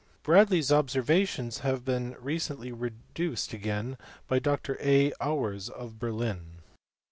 Bradley s observations have been recently reduced again by Dr A. Auwers of Berlin.